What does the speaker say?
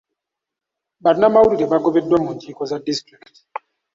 Bannamawulire bagobeddwa mu nkiiko za disitulikiti.